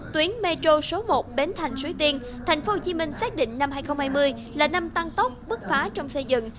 tuyến metro số một bến thành suối tiên tp hcm xác định năm hai nghìn hai mươi là năm tăng tốc bước phá trong xây dựng